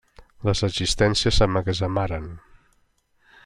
Les existències s'emmagatzemaren.